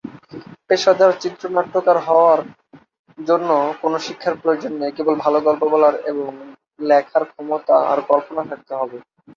পেশাদার চিত্রনাট্যকার হওয়ার জন্য কোনও শিক্ষার প্রয়োজন নেই, কেবল ভাল গল্প বলার এবং লেখার ক্ষমতা আর কল্পনা থাকতে হবে।